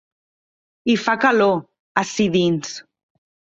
Hi fa calor, ací dins.